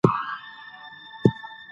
د ډیپلوماسی له لارې سیاسي فشارونه کمېږي.